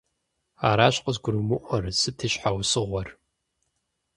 Аращ къызгурымыӀуэр, сыт и щхьэусыгъуэр?